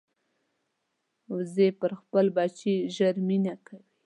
وزې پر خپل بچي ژر مینه کوي